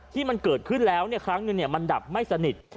ที่มันเกิดขึ้นแล้วครั้งหนึ่งมันดับไม่สนิท